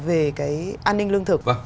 về cái an ninh lương thực